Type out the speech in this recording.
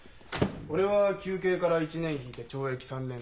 俺は求刑から１年引いて懲役３年。